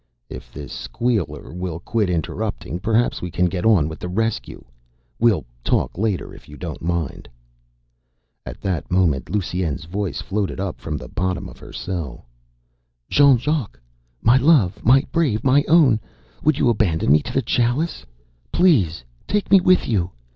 "If this squeaker will quit interrupting, perhaps we can get on with the rescue. We'll talk later, if you don't mind." At that moment Lusine's voice floated up from the bottom of her cell. "Jean Jacques, my love, my brave, my own, would you abandon me to the Chalice? Please take me with you!